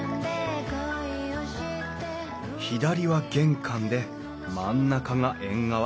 左は玄関で真ん中が縁側。